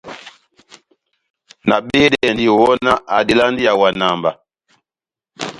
Nabehedɛndi, wɔhɔnáh adelandi ihawana mba.